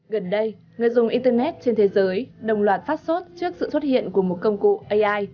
gần đây người dùng internet trên thế giới đồng loạt phát sốt trước sự xuất hiện của một công cụ ai